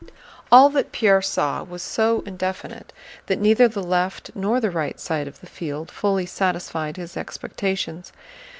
All that Pierre saw was so indefinite that neither the left nor the right side of the field fully satisfied his expectations.